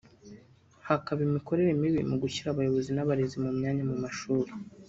hakaba imikorere mibi mu gushyira abayobozi n’abarezi mu myanya mu mashuri